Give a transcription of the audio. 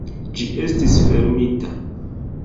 Ĝi estis fermita.